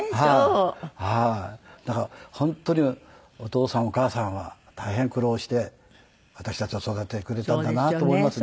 だから本当にお父さんお母さんは大変苦労をして私たちを育ててくれたんだなと思いますね。